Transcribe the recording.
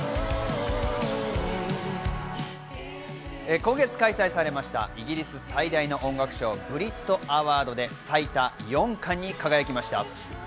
今月開催されましたイギリス最大の音楽賞ブリット・アワードで最多４冠に輝きました。